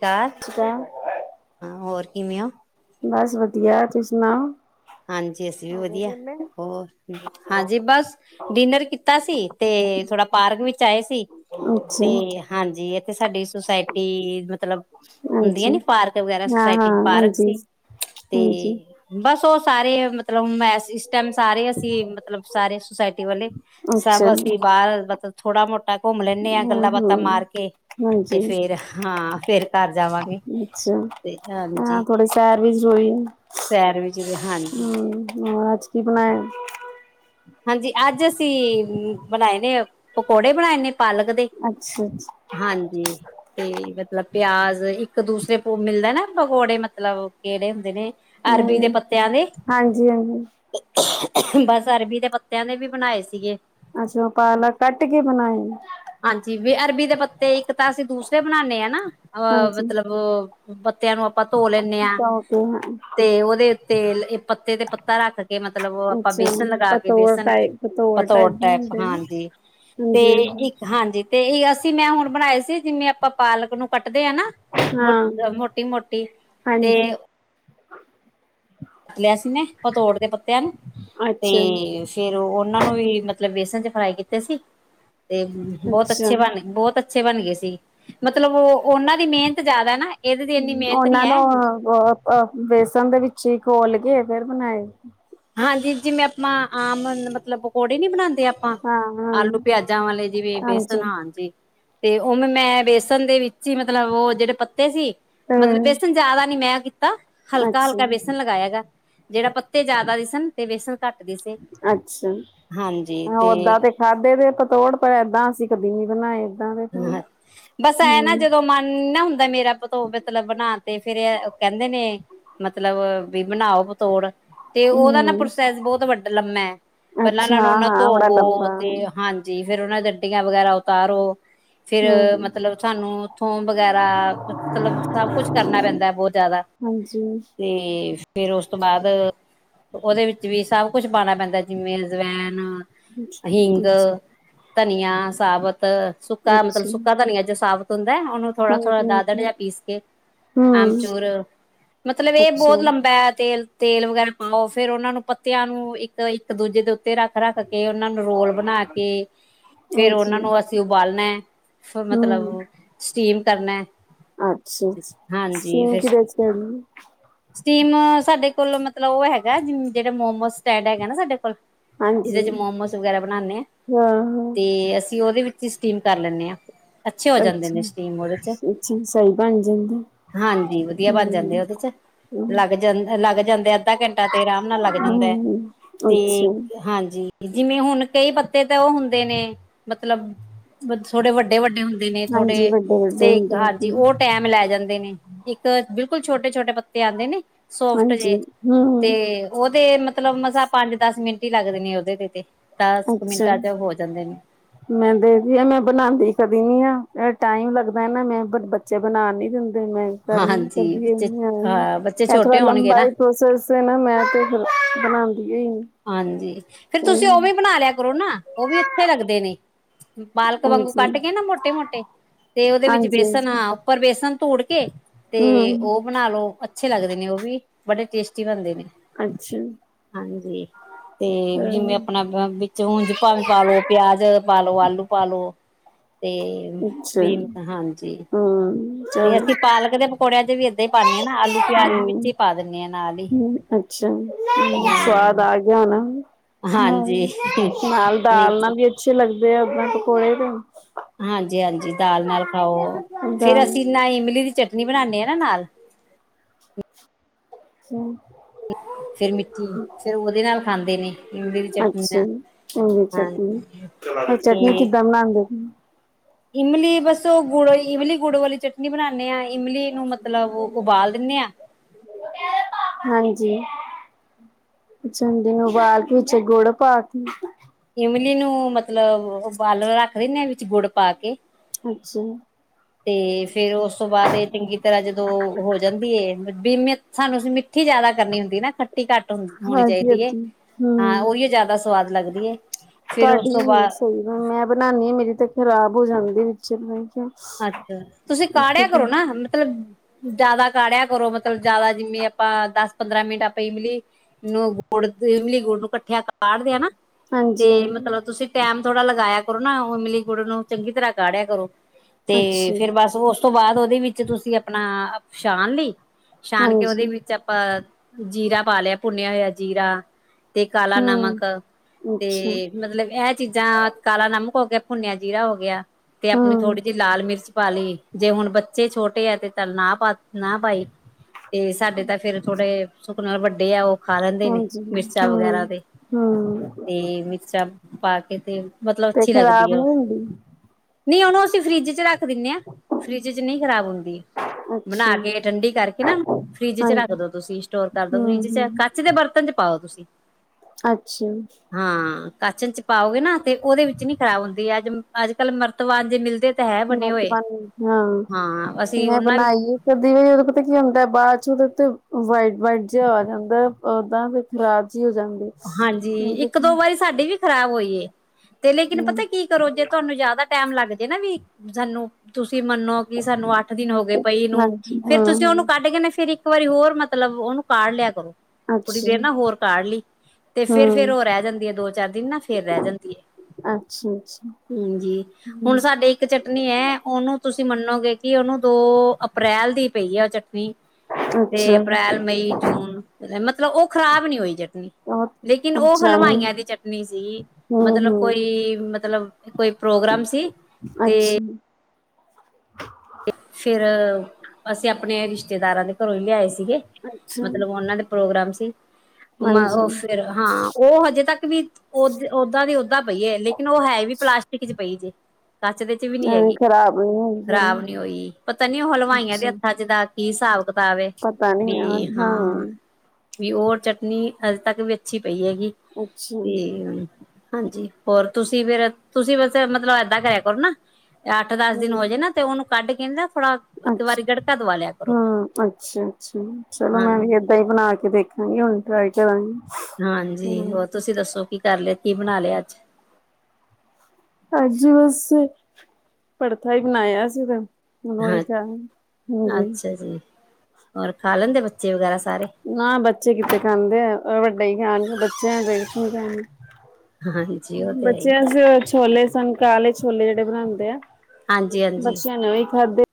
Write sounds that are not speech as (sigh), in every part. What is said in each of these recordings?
ਕਾਰ ਹਾਂ ਹੋਰ ਕਿਵੇਂ ਹੋ ਬਸ ਵਧੀਆ ਤੂੰ ਸੁਣਾਓ ਹਾਂਜੀ ਅਸੀਂ ਵੀ ਵਧੀਆ ਹੋਗੇ ਵੇਲੇ? ਹੋਰ ਹਾਂਜੀ ਬਸ ਡਿਨਰ ਕੀਤਾ ਸੀ ਤੇ ਥੋੜਾ ਪਾਰਕ ਵਿੱਚ ਆਏ ਸੀ। ਅੱਛਾ ਤੇ ਹਾਂਜੀ ਇੱਥੇ ਸਾਡੀ ਸੁਸਾਇਟੀ ਮਤਲਬ ਹਾਂਜੀ ਹੁੰਦੀਆਂ ਨੀ ਪਾਰਕ ਵਗੈਰਾ ਹਾਂ ਹਾਂ ਸੋਸਾਇਟੀ ਚ ਪਾਰਕ ਹਾਂਜੀ ਸੀ, ਹਾਂਜੀ ਤੇ ਬਸ ਉਹ ਸਾਰੇ ਮਤਲਬ ਇਸ ਟਾਈਮ ਸਾਰੇ ਅਸੀਂ ਮਤਲਬ ਸਾਰੇ ਸੁਸਾਇਟੀ ਵਾਲੇ, ਅੱਛਾ ਸਭ ਅਸੀਂ ਬਾਹਰ ਮਤਲਬ ਥੋੜਾ ਮੋਟਾ ਘੁੰਮ ਲੈਂਦੇ ਆ ਹੂੰ ਗੱਲਾਂ ਬਾਤਾਂ ਹੂੰ ਮਾਰ ਕੇ ਤੇ ਹਾਂਜੀ ਫੇਰ ਹਾਂ ਫਿਰ ਘਰ ਜਾਵਾਂਗੇ ਅੱਛਾ ਤੇ ਹਾਂ ਹਾਂਜੀ। ਥੋੜੇ ਸੈਰ ਵੀ ਜ਼ਰੂਰੀ ਹੈ ਸੈਰ ਵਿਚ ਹਾਂਜੀ ਹੂੰ ਅਜ ਕੀ ਬਣਾਇਆ। ਹਾਂਜੀ ਅੱਜ ਅਸੀ ਬਣਾਏ ਨੇ ਪਕੌੜੇ ਬਣਾਏ ਨੇ ਪਾਲਕ ਦੇ ਅੱਛਾ, ਅੱਛਾ ਹਾਂਜੀ ਤੇ ਮਤਲਬ ਪਿਆਜ ਇੱਕ ਦੂਸਰੇ ਕੋ ਮਿਲਦਾ ਨਾ ਪਕੌੜੇ ਮਤਲਬ ਕਿਹੜੇ ਹੁੰਦੇ ਨੇ ਅਰਬੀ ਦੇ ਨਹੀਂ ਪੱਤਿਆਂ ਦੇ ਹਾਂਜੀ ਹਾਂਜੀ ਬਸ ਅਰਬੀ ਦੇ ਪੱਤਿਆਂ ਦੇ ਵੀ ਬਣਾਏ ਸੀਗੇ ਅੱਛਾ ਉਹ ਪਾਲਕ ਕੱਟ ਕੇ ਬਣਾਏ ਹਾਂਜੀ ਵੀ ਅਰਬੀ ਦੇ ਪੱਤੇ ਇੱਕ ਤਾਂ ਅਸੀਂ ਦੂਸਰੇ ਬਣਾਉਂਦੇ ਆਂ ਹਾਂਜੀ ਮਤਲਬ ਪੱਤਿਆਂ ਨੂੰ ਆਪਾਂ ਧੋ ਲੈਂਣੇ ਆਂ ਧੋ ਕੇ ਤੇ ਉਹਦੇ ਉਤੇ ਇਹ ਪੱਤੇ ਤੇ ਪੱਤਾ ਰੱਖ ਕੇ ਮਤਲਬ ਉਹ ਆਪਾਂ ਅੱਛਾ ਬੇਸਨ ਲਗਾ ਪਤੋੜ ਬੇਸਣ 'ਚ ਟਾਈਪ ਟਾਈਪ ਪਤੋੜ ਟੈਪ ਬਣਾਉਂਦੇ ਨੇ ਹਾਂਜੀ ਤੇ ਹਾਂਜੀ ਇੱਕ ਹਾਂਜੀ ਤੇ ਇਹ ਅਸੀ ਮੈਂ ਹੁਣ ਬਣਾਏ ਸੀ ਜਿਵੇਂ ਆਪਾਂ ਪਾਲਕ ਨੂੰ ਕੱਟਦੇ ਹ ਨਾ। ਹਾਂ ਮੋਟੀ- ਮੋਟੀ ਤੇ ਹਾਂਜੀ ਲੈਸ਼ ਨੇ, ਪੱਤੋਡ਼ ਦੇ ਪੱਤਿਆਂ ਨੂੰ, ਤੇ ਅੱਛਾ ਫੇਰ ਉਹਨਾਂ ਨੂੰ ਵੀ ਮਤਲਬ ਬੇਸਨ 'ਚ ਫਰਾਈ ਕੀਤੇ ਸੀ ਤੇ ਬਹੁਤ ਅੱਛੇ ਅੱਛਾ ਬਣੇ ਬਹੁਤ ਅੱਛੇ ਅੱਛੇ ਬਣ ਗਏ ਸੀ ਮਤਲਬ ਉਹ ਉਹਨਾਂ ਦੀ ਮਿਹਨਤ ਜ਼ਿਆਦਾ ਨਾ। ਇਹਦੇ ਦੀ ਇੰਨੀ ਹੂੰ ਮਿਹਨਤ ਨੀ ਉਹਨਾਂ ਹੈ ਨੂੰ ਬੇਸਨ ਦੇ ਵਿੱਚ ਹੀ ਘੋਲ ਕੇ ਫੇਰ ਬਣਾਏ। ਹਾਂਜੀ ਜਿਵੇਂ ਆਪਾਂ, ਆਮ ਮਤਲਬ ਪਕੌੜੇ ਨੀ ਬਣਾਉਂਦੇ ਆਪਾਂ ਆਂ, ਹਾਂ ਹਾਂ ਆਲੂ ਪਿਆਜਾਂ ਵਾਲੇ ਜਿਵੇਂ ਬੇਸਨ ਹਾਂਜੀ ਤੇ ਉਵੇਂ ਮੈਂ ਬੇਸਣ ਦੇ ਵਿੱਚ ਹੀ ਮਤਲਬ ਉਹ ਜਿਹੜੇ ਪੱਤੇ ਪਤੇ ਸੀ, ਮਤਲਬ ਹੂੰ। ਬੇਸਨ ਜ਼ਿਆਦਾ ਨੀ ਮੈਂ ਕੀਤਾ ਅੱਛਾ ਹਲਕਾ-ਹਲਕਾ ਬੇਸਨ ਲਗਾਇਆ ਗ ਜਿਹੜਾ ਪੱਤੇ ਜ਼ਿਆਦਾ ਦਿਸਣ ਸਨ ਤੇ ਵੇਸਣ ਘੱਟ ਦਿੱਸੇ ਹਾਂਜੀ ਤੇ ਸਾਡੇ ਤੇ ਪਤੋੜ ਪਰ ਏਦਾਂ ਅਸੀਂ ਕਦੀ ਨਹੀ ਬਣਾਏ। ਏਦਾਂ ਦੇ ਹੂੰ। ਬਸ ਐ ਨਾ ਜਦੋਂ ਮਨ ਨਾ ਹੁੰਦਾ ਮੇਰਾ ਮਤਲਬ ਬਣਾ ਤੇ ਫੇਰ ਇਹ ਕਹਿੰਦੇ ਨੇ ਮਤਲਬ ਵੀ ਬਣਾਓ ਬਤੋੜ ਤੇ ਉਹਦਾ ਨਾ ਹੂੰ ਪ੍ਰੋਸੈਸ ਬਹੁਤ ਵੱਡਾ ਲੰਮਾ ਹੈ ਪਹਿਲਾਂ ਅੱਛਾ ਨਾਲੋ ਉਹਨਾ ਹਾਂ ਬੜਾ ਧੋਵੋ ਲੰਬਾ ਤੇ ਹੂੰ। ਹਨ। ਜੀ ਫੇਰ ਉਹਨਾਂ ਤੋ ਡੰਡੀਆ ਵਗੈਰਾ ਉਤਾਰੋ। ਫਿਰ ਮਤਲਬ ਸਾਨੂੰ ਉਥੋਂ ਵਗੈਰਾ ਮਤਲਬ ਸਭ ਕੁਛ ਕਰਨਾ ਪੈਂਦਾ ਬਹੁਤ ਜ਼ਿਆਦਾ ਹਾਂਜੀ ਤੇ ਫੇਰ ਉਸ ਤੋਂ ਬਾਅਦ ਉਹਦੇ ਵਿੱਚ ਵੀ ਸਭ ਕੁੱਛ ਪਾਉਣਾ ਪੈਂਦਾ ਜਿਵੇਂ ਅਜਵੈਨ ਅੱਛਾ ਹਿੰਗ ਧਨੀਆ ਸਾਬਤ ਸੁੱਕਾ ਮਤਲਬ ਅੱਛਾ ਸੁੱਕਾ ਧਨੀਆ ਜੋ ਸਾਬਤ ਹੁੰਦਾ ਉਹਨੂੰ ਹਾਂਜੀ ਥੋੜਾ- ਥੋੜਾ ਦਾਦਾਰ ਹਾਂਜੀ। ਜਿਹਾ ਪੀਸ ਕੇ ਹੂੰ ਆਮਚੂਰ ਮਤਲਬ ਇਹ ਅੱਛਾ ਬਹੁਤ ਲੰਬਾ ਹੈ ਤੇਲ ਤੇਲ ਵਗੈਰਾ ਪਾਓ ਫਿਰ ਉਹਨਾਂ ਨੂੰ ਪੱਤਿਆਂ ਨੂੰ ਇੱਕ- ਇੱਕ ਦੂਜੇ ਦੇ ਉੱਤੇ ਤੇ ਰੱਖ- ਰੱਖ ਕੇ, ਉਹਨਾਂ ਨੂੰ ਰੋਲ ਬਣਾ ਕੇ, ਫਿਰ ਹਾਂਜੀ ਉਹਨਾਂ ਨੂੰ ਅਸੀਂ ਉਬਾਲਣਾ ਫਿਰ ਮਤਲਬ ਹੂੰ ਸਟੀਮ ਕਰਨਾ। ਅੱਛਾ ਅੱਛਾ। ਹਾਂਜੀ, ਸੀਮ ਫਿਰ ਕਿਦੇ ਚ ਸਟੀਮ ਸਾਡੇ ਕੋਲ, ਮਤਲਬ ਉਹ ਹੈਗਾ ਜਿਹੜੇ ਮੋਮੋ ਸਟੈਂਡ ਹੈਗਾ ਨਾ, ਸਾਡੇ ਕੋਲ ਹਾਂਜੀ ਜਿਹਦੇ ਚ, ਮੋਮੋਸ ਵਗੈਰਾ ਬਣਾਉਦੇ ਆਾਂ, ਹਾਂ ਹਾਂ। ਤੇ ਅਸੀਂ ਉਹਦੇ ਵਿੱਚ ਹੀ ਸਟੀਮ, ਕਰ ਲੈਦੇ ਹਾਂ। ਅੱਛੇ ਹੋ ਜਾਂਦੇ ਨੇ ਅੱਛਾ ਸਟੀਮ ਉਹਦੇ ਚ ਅੱਛਾ ਸਹੀ ਬਣ ਜਾਂਦਾ। ਹਾਂਜੀ, ਵਧੀਆ ਹੂੰ ਬਣ ਜਾਂਦੇ ਆ ਉਹਦੇ ਚ। ਹੂੰ ਲੱਗ ਜਾਂ ਲੱਗ ਜਾਂਦੇ ਅੱਧਾ ਘੰਟਾ ਤੇ ਆਰਾਮ ਨਾਲ ਲੱਗ ਜਾਂਦਾ ਹਾਂ ਅੱਛਾ ਤੇ ਹਾਂਜੀ ਜਿਵੇਂ ਹੁਣ ਕਈ ਪੱਤੇ ਤੇ ਉਹ ਹੁੰਦੇ ਨੇ ਮਤਲਬ ਥੋੜੇ ਵੱਡੇ ਵੱਡੇ ਹੁੰ ਦੇ ਨੇ ਥੋੜੇ ਹਾਂਜੀ ਵੱਡੇ ਵੱਡੇ ਤੇ ਹੁੰਦੇ ਆ ਹਾਂਜੀ ਉਹ ਟੈਮ ਲੈ ਜਾਂਦੇ ਨੇ ਇੱਕ ਬਿਲਕੁਲ ਛੋਟੇ ਛੋਟੇ ਪੱਤੇ ਆਂਦੇ ਨੇ। ਸੋਫਟ ਹਾਂਜੀ ਜੇ ਹੂੰ ਤੇ ਉਹਦੇ ਮਤਲਬ ਮਤਲਬ ਮਸਾ ਪੰਜ ਦਸ ਮਿੰਟ ਹੀ ਲੱਗਦੇ ਨੇ ਉਹਦੇ ਤੇ ਤੇ ਦਸ ਕੁ ਅੱਛਾ ਮਿੰਟਾਂ ਚ ਹੋ ਜਾਂਦੇ ਨੇ ਮੈਂ ਦੇਖਦੀ ਆ ਮੈਂ ਬਣਾਦੀ ਕਦੀ ਨੀ ਆ ਟਾਈਮ ਲੱਗਦਾ ਨਾ ਮੈਂ ਬੱਚ ਬਣਾਣ ਨੀ ਦਿੰਦੇ ਮੈਂ ਹਾਂਜੀ ਕਰਦੀ ਬੱਚੇ ਹਾਂ ਬੱਚੇ ਐ ਥੋੜਾ ਛੋਟੇ ਹੋਣਗੇ ਲੰਬਾ ਨਾ ਪ੍ਰੋਸੈਸ ਨਾ ਮੈਂ ਤੇ ਫਿਰ ਬਣਾਦੀ ਹੀ ਨਹੀਂ। ਹਾਂਜੀ, ਫਿਰ ਤੁਸੀਂ ਉਹ ਵੀ ਬਣਾ ਲਿਆ ਕਰੋ ਨਾ ਉਹ ਵੀ ਅੱਛੇ ਲੱਗਦੇ ਨੇ। ਬਾਲਕ ਵਾਂਗੂ ਕੱਟ ਹਾਂਜੀ ਕੇ ਨਾ ਮੋਟੇ ਮੋਟੇ ਤੇ ਉਹਦੇ ਵਿੱਚ ਹਾਂਜੀ ਬੇਸਣ ਹਾਂਜੀ ਉੱਪਰ ਬੇਸਣ ਤੋੜ ਕੇ ਤੇ ਹੂੰ ਓ, ਬਣਾ ਲਓ ਅੱਛੇ ਲੱਗਦੇ ਨੇ ਉਹ ਵੀ ਬੜੇ ਟੇਸਟੀ ਬਣਦੇ ਨੇ। ਅੱਛਾ, ਹਾਂਜੀ ਤੇ ਅ ਜਿਵੇਂ ਆਪਣਾ ਵਿੱਚ ਉਂਜ ਪਾਵੇ ਪਾਲੋ ਪਿਆਜ ਪਾਲੋ ਆਲੂ ਪਾਲੋ ਤੇ ਅੱਛਾ ਹਾਂਜੀ, ਹੂੰ ਤੇ ਚਲ ਅਸੀਂ ਪਾਲਕ ਦੇ ਪਕੌੜਿਆਂ ਚ ਵੀ ਪਾਣੇ ਆ ਨਾ ਆਲੂ ਪਿਆਜ ਵੀ ਹੂੰ ਵਿੱਚ ਹੀ ਪਾ ਦਿੰਦੇ ਹਾਂ ਨਾਲ ਈ ਹੂੰ ਅੱਛਾ ਹੂੰ ਹਾਂ। (unintelligible) ਹਾਂਜੀ ਦਾਲ ਨਹੀਂ ਨਾਲ ਵੀ ਅੱਛੇ ਲੱਗਦੇ ਆ ਆਲੂ ਪਕੌੜੇ ਦੇ। ਹਾਂਜੀ ਹਾਂਜੀ, ਦਾਲ ਨਾਲ ਖਾਓ ਫੇਰ ਦਾਲ ਅਸੀਂ ਨਾ ਇਮਲੀ ਦੀ ਚਟਨੀ ਬਨਾਣੇ ਆ ਨਾ ਨਾਲ। (inaudible) ਫੇਰ ਮਿੱਠੀ ਫਿਰ ਉਹਦੇ ਨਾਲ ਖਾਂਦੇ ਨੇ। ਇਮਲੀ ਦੀ ਚਟਣੀ ਅੱਛਾ ਨਾਲ ਚੰਗੀ ਹਾਂ ਚਟਨੀ ਇਹ ਤੇ, (unintelligible) ਇਮਲੀ ਬਸ ਉਹ ਗੁੜ ਇਮਲੀ ਗੁੜ ਵਾਲੀ ਚਟਨੀ ਬਣਾਣੇ ਆ ਇਮਲੀ। ਨੂੰ ਮਤਲਬ ਉਬਾਲ ਦਿੰਦੇ ਆ। ਹਾਂਜੀ, ਚੰਡੀ ਨੂੰ ਬਾਲਕ ਵਿੱਚ ਗੁੜ ਪਾ ਤੀ। ਇਮਲੀ ਨੂੰ ਮਤਲਬ ਰੱਖ ਦੀਨੇ ਆ ਵਿੱਚ ਗੁੜ ਪਾ ਕੇ। ਅੱਛਾ, ਤੇ ਫੇਰ ਉਸ ਤੋਂ ਬਾਅਦ ਇਹ ਚੰਗੀ ਤਰ੍ਹਾਂ ਜਦੋਂ ਹੋ ਜਾਂਦੀ ਹੈ ਬੀਮਅਤ ਸਾਨੂੰ ਅਸੀਂ ਮਿੱਠੀ ਜਿਆਦਾ ਕਰਨੀ ਹੁੰਦੀ ਨਾ। ਟੀ ਘੱਟ ਹੋਣੀ ਹਾਂਜੀ ਚਾਹੀਦੀਐ ਹਾਂਜੀ ਹਾਂ ਹੂੰ ਉਹੀਓ ਜ਼ਿਆਦਾ ਸਵਾਦ ਲੱਗਦੀ ਐ। ਤੁਹਾਡੀ ਸਹੀ ਮੈਂ ਬਣਾਣੀ ਆ ਮੇਰੀ ਤੇ ਖ਼ਰਾਬ ਹੋ ਜਾਂਦੀ ਵਿੱਚ। ਅੱਛਾ ਤੁਸੀਂ ਕਾੜਿਆ ਹਾਂਜੀ ਕਰੋ ਨਾ ਮਤਲਬ ਜ਼ਿਆਦਾ ਕਾੜਿਆ ਕਰੋ ਮਤਲਬ ਜ਼ਿਆਦਾ ਜਿਵੇਂ ਆਪਾਂ ਦਸ ਪੰਦਰਾਂ ਮਿੰਟ ਆਪਾਂ ਇਮਿਲੀ ਨੂੰ ਗੁੜ ਇਮਲੀ ਗੁੜ ਨੂੰ ਕੱਠਿਆ ਕਾੜਦੇ ਆਂ ਨਾ। ਤੇ ਹਾਂਜੀ ਮਤਲਬ ਤੁਸੀਂ ਟੈਮ ਥੋੜ੍ਹਾ ਲਗਾਇਆ ਕਰੋ ਨਾ ਉਮਲੀ ਗੁੜ ਨੂੰ ਚੰਗੀ ਤਰ੍ਹਾਂ ਕਾਢਿਆ ਕਰੋ। ਤੇ ਅੱਛਾ ਫਿਰ ਬਸ ਉਸ ਤੋਂ ਬਾਅਦ ਉਹਦੇ ਵਿੱਚ ਤੁਸੀਂ ਆਪਣਾ ਸ਼ਾਨ ਲਈ ਛਾਨ ਕੇ ਹਾਂਜੀ ਉਹਦੇ ਵਿੱਚ ਆਪਾਂ ਜੀਰਾ ਪਾ ਲਿਆ ਭੁੰਨਿਆ ਹੋਇਆ ਜੀਰਾ। ਤੇ ਕਾਲਾ ਹੂੰ ਨਮਕ ਤੇ ਅੱਛਾ ਮਤਲਬ ਇਹ ਚੀਜ਼ਾਂ ਕਾਲਾ ਨਮਕ ਹੋ ਗਿਆ ਭੁੰਨਿਆ ਜੀਰਾ ਹੋ ਗਿਆ ਤੇ ਆਪਣੀ ਹੂੰ ਥੋੜ੍ਹੀ ਜਿਹੀ ਲਾਲ ਮਿਰਚ ਪਾ ਲਈ ਜੇ ਹੁਣ ਬੱਚੇ ਛੋਟੇ ਆ ਤੇ ਚੱਲ ਨਾ ਪਾ ਨਾ ਪਾਈ। ਤੇ ਸਾਡੇ ਤਾਂ ਫੇਰ ਥੋੜੇ ਸੁਖ ਨਾਲ ਵੱਡੇ ਆ ਉਹ। ਖਾ ਲੈਂਦੇ ਨੇ ਹਾਂਜੀ ਮਿਰਚਾਂ ਹੂੰ ਵਗੈਰਾ ਤੇ ਹੂੰ ਤੇ ਮਿਰਚਾਂ ਪਾ ਕੇ ਤੇ। ਮਤਲਬ ਤੇ ਅੱਛੀ ਖ਼ਰਾਬ ਲੱਗਦੀ ਨੀ ਹੈ ਹੁੰਦੀ ਨਹੀਂ ਉਹਨੂੰ ਅਸੀਂ ਫਰਿੱਜ ਚ ਰੱਖ ਰੱਖ ਦੀਨੇ ਆ ਫਰਿਜ ਚ ਨਹੀਂ ਖਰਾਬ ਹੁੰਦੀ। ਅੱਛਾ ਬਣਾ ਕੇ ਠੰਡੀ ਕਰਕੇ ਨਾ ਫਰਿਜ ਚ ਰੱਖ ਹਾਂਜੀ ਦੋ ਤੁਸੀਂ ਸਟੋਰ ਕਰਦੋ ਹੂੰ ਫਰਿੱਜ ਹੂੰ ਚ। ਸਿਧੇ ਬਰਤਨ'ਚ ਪਾਓ, ਤੁਸੀ। ਅੱਛਾ। ਹਾਂ, ਕਾਚਨ'ਚ ਪਾਓਗੇ ਨਾ, ਤੇ ਉਹਦੇ ਵਿੱਚ ਨੀ ਖਰਾਬ ਹੁੰਦੀ ਹੈ। ਅੱਜ, ਅੱਜ-ਕੱਲ ਮਰਤਵਾਨ ਜੇ ਮਿਲ ਮਰਤਬਾਨ ਹਾਂ। ਹਾਂ ਅਸੀਂ ਮੈਂ, ਉਹਨਾਂ ਵੀ ਬਣਾਈ ਏ। ਦੀ ਵੀ, ਜਦੋਂ ਪਤਾ ਕੀ ਹੁੰਦਾ ਹੈ ਬਾਅਦ'ਚ ਉਹਦੇ ਤੇ ਵਾਈਟ-ਵਾਈਟ ਜਿਹਾ ਆ ਜਾਂਦਾ, ਓਦਾਂ ਤੇ ਬਾ'ਚ ਈ, ਹੋ ਜਾਂਦੇ। ਹਾਂਜੀ, ਇੱਕ-ਦੋ ਵਾਰੀ ਸਾਡੀ ਵੀ ਖ਼ਰਾਬ ਹੋਈ ਏ, ਤੇ ਲੇਕਿਨ ਪਤਾ ਕੀ ਕਰੋ, ਜੇ ਤੁਹਾਨੂੰ ਜਿਆਦਾ ਟਾਈਮ ਲੱਗਜੇ ਨਾ ਵੀ, ਸਾਨੂੰ ਤੁਸੀਂ ਮੰਨੋ ਕਿ ਸਾਨੂੰ ਅੱਠ-ਦਿਨ ਹੋ ਗਏ ਪਈ ਨੂੰ। ਹਾਂਜੀ ਹਾਂ ਫਿਰ ਤੁਸੀਂ ਉਹਨੂੰ ਅੱਛਾ ਕੱਢਕੇ ਨਾ, ਫਿਰ ਇੱਕ ਵਾਰੀ ਹੋਰ ਮਤਲਬ, ਉਹਨੂੰ ਕਾਢ ਲਿਆ ਕਰੋ। ਹਾਂ ਕੁਥੋੜੀ ਦੇਰ ਨਾ ਹੋਰ ਕਾਢ ਲਈ, ਤੇ ਫਿਰ-ਫਿਰ ਉਹ ਰਹਿ ਜਾਂਦੀ ਹੈ, ਦੋ-ਚਾਰ ਦਿਨ ਨਾ ਫਿਰ ਰਹਿ ਜਾਂਦੀ ਏ। ਅੱਛਾ-ਅੱਛਾ। ਹਾਂਜੀ, ਹੁਣ ਸਾਡੇ ਇੱਕ ਚ ਚਟਨੀ ਐ, ਉਹਨੂੰ ਤੁਸੀਂ ਮੰਨੋਗੇ ਕਿ ਉਹਨੂੰ, ਦੋ ਅਪ੍ਰੈਲ ਦੀ ਪਈ ਹੈ ਉਹ ਚਟ ਦੀ, ਅੱਛਾ ਅਪ੍ਰੈਲ, ਮਈ, ਜੂਨ ਮਤਲਬ ਉਹ ਖ਼ਰਾਬ ਨੀ ਹੋਈ ਚਟਨੀ। ਬਹੁਤ ਲੇਕਿਨ ਉਹ ਅੱਛਾ ਜੀ ਹਲਵਾਈਆਂ ਦੀ ਚਟਨੀ ਸੀ, ਹਮ ਮਤਲਬ ਹਮ ਕੋਈ ਮਤਲਬ ਕੋਈ ਪ੍ਰੋਗਰਾਮ ਸੀ। ਤੇ ਅੱਛਾ। ਫਿਰ, ਅਸੀਂ ਆਪਣੇ ਰਿਸ਼ਤੇਦਾਰਾਂ ਦੇ ਘਰੋਂ ਹੀ ਲਿਆਏ ਸੀ। ਸੀਗੇ, ਅੱਛਾ ਮਤਲਬ ਉਹਨਾਂ ਦੇ ਪ੍ਰੋਗਰਾਮ ਸੀ। ਮ, ਹਾਂਜੀ ਉਹ, ਫਿਰ ਹਾਂ, ਉਹ ਹਜੇ ਤੱਕ ਵੀ ਓਹ, ਓਦਾਂ ਦੀ ਓਦਾਂ ਪਈ ਹੈ, ਲੇਕਿਨ ਉਹ ਹੈ ਵੀ ਪਲਾਸਟੀਕ'ਚ ਪਈ ਜੀ ਕੱਚ ਦੇ ਵੀ ਨੀ ਐਵੇਂ ਹੈਗੀ, ਖ਼ਰਾਬ ਨੀ ਹੋਈ ਫਿਰ ਖਰਾਬ ਨੀ ਹੋਈ, ਪਤਾ ਨੀ ਉਹ ਹਲਵਾਈਆਂ ਦੇ ਅੱਛਾ ਹੱਥਾਂ'ਚ ਦਾ ਕੀ ਹਿਸਾਬ ਵੇ, ਪਤਾ ਨੀ ਹਾਂ ਵੀ ਹਾਂ ਵੀ, ਓਹ ਚਟਨੀ ਅਜੇ ਤੱਕ ਵੀ ਅੱਛੀ ਪਈ ਹੈਗੀ, ਅੱਛਾ ਤੇ ਹਾਂਜੀ, ਹੋਰ ਤੁਸੀਂ ਫਿਰ, ਤੁਸੀਂ ਬਸ ਮਤਲਬ ਏਦਾਂ ਕਰਿਆ ਕਰੋ ਨਾ, ਅੱਠ-ਦਸ ਦਿਨ ਹੋਜੇ ਨਾ ਤੇ ਉਹਨੂੰ ਕੱਢਕੇ ਨਾ, ਥੋੜਾ ਇੱਕ ਅੱਛ, ਵਾਰੀ ਗੜਕਾ ਦਵਾ ਲਿਆ ਕਰੋ। ਹਾਂ, ਅੱਛਾ-ਅੱਛਾ, ਚਲੋ, ਮੈਂ ਹਾਂਜੀ ਵੀ ਕਈ ਬਣਾਕੇ ਦੇਖਾਂਗੀ, ਹੁਣੇ ਟ੍ਰਾਈ ਕਰਾਂਗੀ। ਹਾਂਜੀ, ਹਮ ਹੋਰ ਤੁਸੀਂ ਦੱਸੋ ਕੀ ਕਰ ਲਿਆ, ਕੀ ਬਣਾ ਲਿਆ ਅੱਜ? ਅੱਜ, ਬਸ। ਭੜਥਾ ਹੀ ਬਣਾਇਆ ਸੀਗਾ। ਹੁਣ ਓਹੀ ਤਾ ਹੈ, ਹਾਂਜੀ। ਕਜਲੀ ਹੋਰ, ਖਾ ਲੈਂਦੇ ਬੱਚੇ ਵਗੈਰਾ ਸਾਰੇ? ਨਾ ਬੱਚੇ ਕਿੱਥਤੇ ਖਾਂਦੇ ਆ, ਵੱਡੇ ਹੀ ਖਾਣਗੇ, ਬੱਚਿਆਂ ਖਣ ਹਾਂ--ਜੀ ਉਹ ਤੇ ਹੈ ਹੀ ਬੱਚਿਆਂ ਵਾਸਤੇ, ਛੋਲੇ ਸਨ, ਕਾਲੇ ਛੋਲੇ ਜਿਹੜੇ ਬਣਾਂਦੇ ਆ। ਹਾਂਜੀ-ਹਾਂਜੀ। ਕਰਦੇ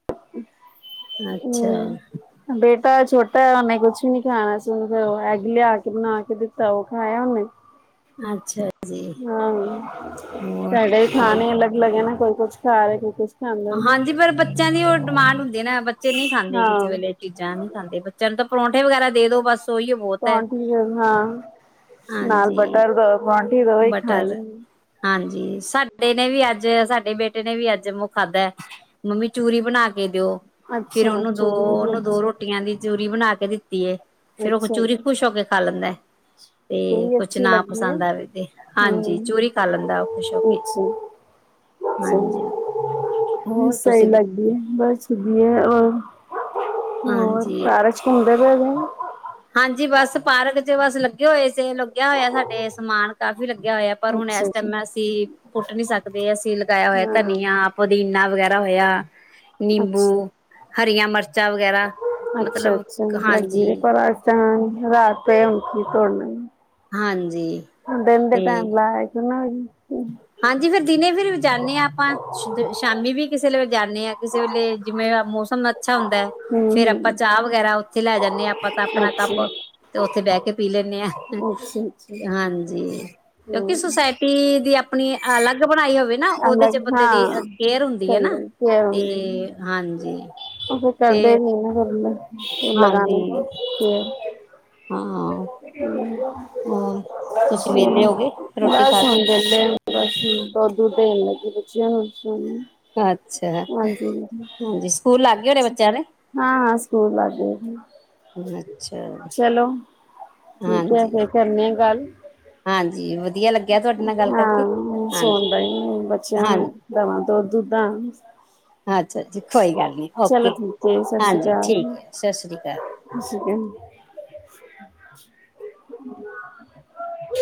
ਅੱਛਾ। ਹੂੰ। ਬੇਟ ਛਟਾ ਏ, ਉਹਨੇ ਕੁਛ ਹੀ ਨਹੀਂ ਖਾਣਾ ਸੀ, ਉਹਨੁੰ ਫਿਰ ਓ ਐਗ ਲਿਆਕੇ ਬਨਾਕੇ ਦਿੱਤਾ ਉਹ ਖਾਇਆ ਉਹਨੇ। ਅੱਛਾ। ਜੀ ਹਾਂ, ਹੋਰ ਸਾਡੇ ਵੀ ਹੋਰ ਖਾਣੇ ਅਲੱਗ-ਅਲੱਗ ਏ, ਨਾ ਕੋਈ ਕੁੱਛ ਖਾ ਰਹੇ, ਕੋਈ ਕੁਛ ਖਾਂਦਾ ਹਾਂਜੀ, ਪਰ ਬੱਚਿਆਂ ਦੀ ਉਹ ਡਿਮਾਂਡ ਹੁੰਦੀ ਆ ਨਾ, ਬੱਚੇ ਨਹੀਂ ਖਾਂਦੇ ਕਿਸੇ ਹਾਂ ਵੇਲੇ। ਚੀਜ਼ਾਂ ਨੀ ਖਾਂਦੇ, ਬੱਚਿਆਂ ਨੂੰ ਤਾਂ ਪਰੌਂਠੇ ਵਗੈਰਾ ਦੇਦੋ ਬਸ ਉਹੀਓ ਬਹੁਤ ਹੈ ਪਰੋਂਠੀ ਦ, ਹਾਂ। ਨਾਲ ਹਾਂਜੀ ਬਟਰ ਦੋ, ਪਰੋਂਠੀ ਦੋ ਓਹੀ ਬਟਰ ਖਾਨੀ। ਹਾਂਜੀ। ਸਾਡੇ ਨੇ ਵੀ ਅੱਜ, ਸਾਡੇ ਬੇਟੇ ਨੇ ਵੀ ਅੱਜ ਮੂੰਹ ਖਾਧਾ ਮੰਮੀ ਚੂਰੀ ਬਣਾਕੇ ਦਿਓ, ਫਿਰ ਅੱਛਾ ਉਹਨੂੰ ਦੋ, ਚੂਰੀ ਵੀ ਉਹਨੂੰ ਦੋ ਰ੍ਹੋ ਅੱਛਾ ਰੋਟੀਆਂ ਦੀ ਚੂਰੀ ਬਣਾਕੇ ਦਿੱਤੀ ਏ, ਫਿਰ ਉਹ ਅੱਛਾ ਚੂਰੀ ਖੁਸ਼ ਹੋਕੇ ਖਾ ਲੈਂਦਾ‌। ਤੇ, ਚੂਰੀ ਕੁਛ ਅੱਛੀ ਨਾ ਲੱਗਦੀ ਹੈ ਪਸੰਦ ਆਵੇ ਤੇ, ਹਾਂਜੀ। ਹਮ ਚੂਰੀ ਖਾ ਲੈਂਦਾ ਉਹ ਖੁਸ਼ ਹੋਕੇ। ਅੱਛਾ ਅੱਛਾ ਹਾਂਜੀ। ਹੋਰ, ਤੁਸੀਂ ਬ ਸੁਧੀ ਹੋਰ, ਹੋਰ ਹਾਂਜੀ ਪਰ ਚ' ਘੁੰਮਦੇ ਪਏਦੇ। ਹਾਂਜੀ, ਬਸ ਪਾਰਕ ਚ, ਬਸ ਲੱਗੇ ਹੋਏ ਸੀ। ਲੁਗਿਆ ਹੋਇਆ ਸਾਡੇ ਸਮਾਨ ਕਾਫੀ ਲੱਗਿਆ ਹੋਇਆ। ਪਰ ਹੁਣ ਅੱਛਾ ਇਸ ਅੱਛਾ ਟਾਈਮ ਅਸੀਂ ਪੁੱਟ ਨੀ ਸਕਦੇ। ਅਸੀਂ ਲਗਾਇਆ ਹੋਇਆ ਹਾਂ ਧਨੀਆ ਪੁਦੀਨਾ ਵਗੈਰਾ ਹੋਇਆ, ਨਿੰਬੂ, ਅੱਛਾ ਹਰੀਆਂ ਮਿਰਚਾਂ ਵਗੈਰਾ ਅੱਛਾ- ਮਤਲਬ ਅੱਛਾ ਲੱਗੀ ਹਾਂਜੀ ਨੇ ਕੋ ਰਾਤ ਹ ਤੋੜਨਾ ਹਾਂਜੀ। ਦਿਨ ਦੇ ਤੇ ਟਾਈਮ ਲ ਆਕ ਹਾਂਜੀ। ਫੇਰ ਦਿਨੇ ਫਿਰ ਜਾਂਦੇ ਹਾਂ ਆਪਾਂ। ਸ਼ਾਮੀ ਵੀ ਕਿਸੇ ਵੇਲੇ ਜਾਂਦੇ ਹਾਂ, ਕਿਸੇ ਵੇਲੇ ਜਿਵੇਂ ਮੌਸਮ ਅੱਛਾ ਹੁੰਦਾ। ਫੇਰ ਆਪਾਂ ਹੂੰ ਚਾਹ ਵਗੈਰਾ ਉੱਥੇ ਲੈ ਜਾਂਦੇ ਹਾਂ ਆਪਾਂ ਤਾਂ ਆਪਣਾ ਕੱਪ ਅੱਛਾ ਤੇ ਉੱਥੇ ਬਹਿ ਕੇ ਪੀ ਲੈਂਦੇ ਹਾਂ। ਅੱਛਾ ਅੱਛਾ ਹਾਂਜੀ। ਕਿਉਂਕਿ ਹੂੰ ਸੁਸਾਇਟੀ ਦੀ ਆਪ ਆਪਣੀ ਅਲੱਗ ਬਣਾਈ ਹੋਵੇ। ਨਾ ਉਹਦੇ ਚ' ਅਲੱਗ ਬੰਦੇ ਹਾਂ ਦੀ ਕੇਅਰ ਹੁੰਦੀ ਹੈ ਸਹੀ ਨਾ। ਗੱਲ ਕੇਅਰ ਤੇ ਹੁੰਦੀ ਹਾਂਜੀ। ਉਹ ਫਿਰ ਤੇ ਕਰਦੇ ਵੀ ਨਾ ਫਿਰ, ਲਗਾਨ ਹਾਂਜੀ ਕੀ। ਹਾਂ। ਹਮ, ਹੋਰ ਬਸ ਤੁਸੀਂ ਹੁਣ ਵੇਹਲੇ ਵਿਹਲੇ ਹੋ ਗਏ ਰੋਟੀ ਖਾ ਕੇ ਹਾਂ। ਬਸ ਹੁਣ ਦੁਧ- ਦੁਧ ਦੇਨ ਲੱਗੀ ਬੱਚੇ ਹੁਣ। ਸੂੰ ਅੱਛਾ। ਹਾਂਜੀ, ਸਕੂਲ ਲੱਗ ਗਏ ਹੋਣੇ ਬੱਚਿਆਂ ਦੇ। ਹਾਂ- ਹਾਂ ਸਕੂਲ ਲੱਗ ਅੱਛਾ। ਚਲੋ ਠੀਕ ਹੈ ਹਾਂਜੀ, ਫੇਰ ਕਰਨੇ ਆ ਗੱਲ। ਹਾਂਜੀ ਵਧੀਆ ਲੱਗਿਆ ਤੁਹਾਡੇ ਨਾਲ ਗੱਲ ਕਰਕੇ ਹਾਂ, ਹਾਂਜੀ, ਸੁੋਣਦਾ ਬੱਚਿਆਂ ਹਾਂਜੀ। ਦਵਾਂ ਦੁਧ- ਦੁਧਾਂ ਅੱਛਾ। ਕੋਈ ਗੱਲ ਨੀ। ਓਕੇ, ਠੀਕ ਹੈ ਹਾਂਜੀ ਠੀਕ ਹੈ ਸਤਿ ਸ੍ਰੀ ਅਕਾਲ। ਹੱਸ ਕੇ (unintelligible)